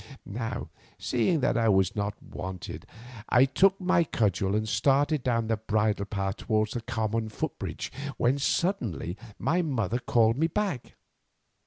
Now, seeing that I was not wanted, I took my cudgel and started down the bridle path towards the common footbridge, when suddenly my mother called me back.